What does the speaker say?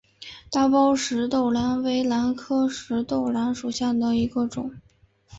大苞石豆兰为兰科石豆兰属下的一个种。